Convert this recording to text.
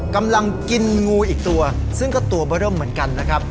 กำลังกินงูอีกตัวซึ่งก็ตัวเบอร์เริ่มเหมือนกันนะครับ